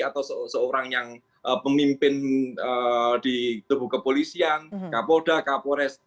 atau seorang yang pemimpin di tubuh kepolisian kapolda kapolres